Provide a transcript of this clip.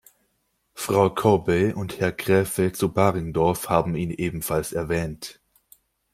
Frau Corbey und Herr Graefe zu Baringdorf haben ihn ebenfalls erwähnt.